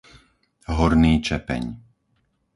Horný Čepeň